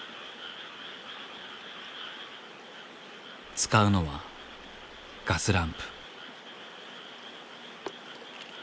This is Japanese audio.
使うのはガスランプ。